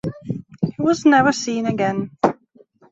He was never seen again.